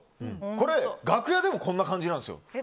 これは楽屋でもこんな感じなんですよ。